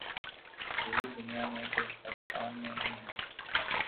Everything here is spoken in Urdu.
پوری دنیا میں صرف پاکستان میں ہی ہیں ۔